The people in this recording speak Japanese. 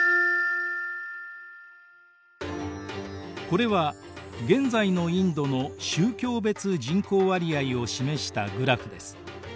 これは現在のインドの宗教別人口割合を示したグラフです。